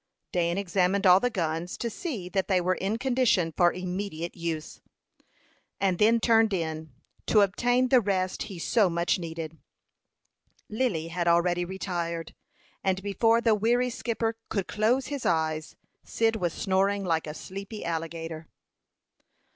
Dan examined all the guns, to see that they were in condition for immediate use, and then turned in, to obtain the rest he so much needed. Lily had already retired, and before the weary skipper could close his eyes, Cyd was snoring like a sleepy alligator.